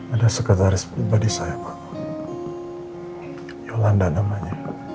ada sekretaris pribadi saya bangun yolanda namanya